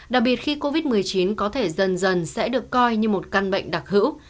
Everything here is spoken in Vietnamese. đặc biệt khi covid một mươi chín có thể dần dần sẽ được coi như một căn bệnh đặc hữu